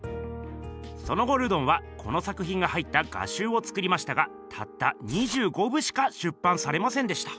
その後ルドンはこの作ひんが入った画集を作りましたがたった２５部しか出版されませんでした。